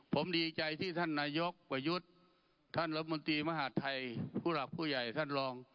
ผมดีใจที่ท่านนายกประยุทธ์ท่านรัฐมนตรีมหาดไทยผู้หลักผู้ใหญ่ท่านรอง